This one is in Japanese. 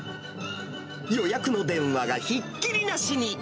予約の電話がひっきりなしに。